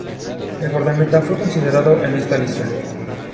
El guardameta fue considerado en esta lista.